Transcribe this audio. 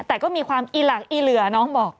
แต่ก็มีความอีหลักอีเหลือน้องบอก